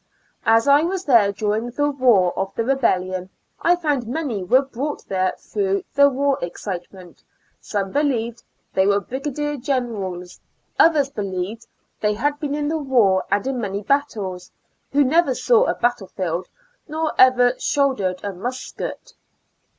As I was there during the war of the rebellion, I found many were brought there through the war excitement; some be lieved they were brigadier generals; others believed they had been in the war and in many battles, who never saw a battle field, nor ever shouldered a musket.